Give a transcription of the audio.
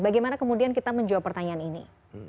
bagaimana kemudian kita menjawab pertanyaan ini